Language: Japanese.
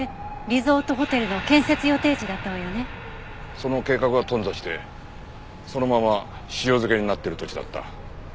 その計画は頓挫してそのまま塩漬けになっている土地だった。